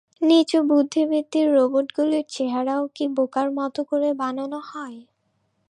নিচু বুদ্ধিবৃত্তির রোবটগুলির চেহারাও কি বোকার মতো করে বানানো হয়?